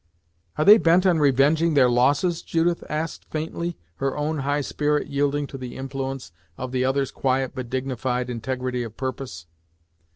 "Are they bent on revenging their losses?" Judith asked faintly, her own high spirit yielding to the influence of the other's quiet but dignified integrity of purpose.